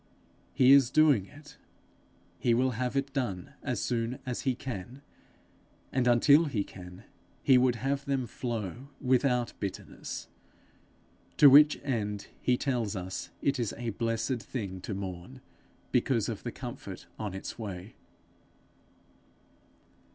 He is doing it; he will have it done as soon as he can; and until he can, he would have them flow without bitterness; to which end he tells us it is a blessed thing to mourn, because of the comfort on its way.